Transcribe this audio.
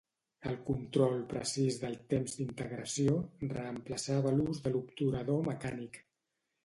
El control precís del temps d'integració reemplaçava l'ús de l'obturador mecànic.